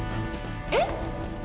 えっ？